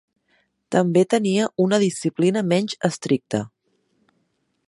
També tenia una disciplina menys estricta.